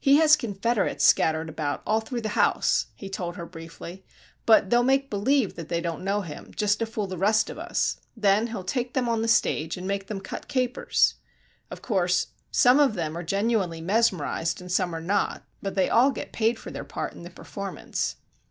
"He has confederates scattered all about through the house," he told her briefly, "but they'll make believe that they don't know him, just to fool the rest of us. Then he'll take them on the stage and make them cut capers. Of course, some of them are genuinely mesmerized and some are not, but they all get paid for their part in the performance."